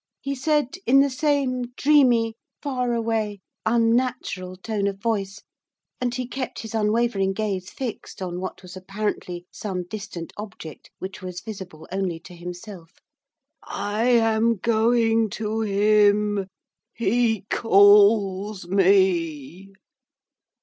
He said, in the same dreamy, faraway, unnatural tone of voice, and he kept his unwavering gaze fixed on what was apparently some distant object which was visible only to himself. 'I am going to him. He calls me.